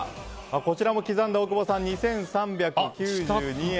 こちらも刻んだ大久保さん２３９２円。